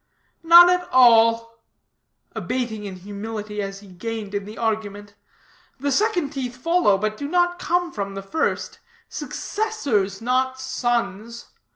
"Not at all." Abating in humility as he gained in the argument. "The second teeth follow, but do not come from, the first; successors, not sons.